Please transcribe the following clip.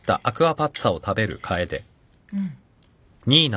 うん。